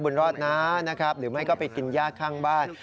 บุญรอดนะนะครับหรือไม่ก็ไปกินยากข้างบ้าน